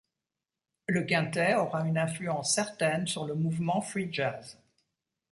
Le quintet aura une influence certaine sur le mouvement Free jazz.